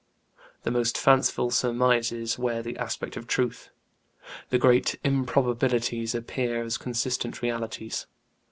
The most fanciful surmises wear the aspect of truth, the greatest improbabilities appear as consistent realities.